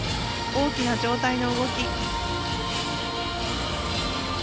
大きな上体の動き。